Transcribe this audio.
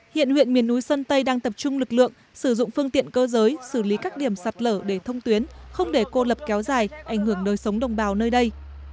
hiện huyện miền núi sơn tây đang tập trung lực lượng sử dụng phương tiện cơ giới xử lý các điểm sạt lở để thông tuyến không để cô lập kéo dài ảnh hưởng đời sống đồng bào nơi đây